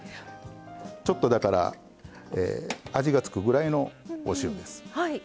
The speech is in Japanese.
ちょっとだから味が付くぐらいのお塩です。